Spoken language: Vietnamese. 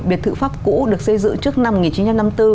biệt thự pháp cũ được xây dựng trước năm một nghìn chín trăm năm mươi bốn